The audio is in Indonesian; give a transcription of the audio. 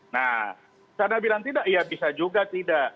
nah sana bilang tidak ya bisa juga tidak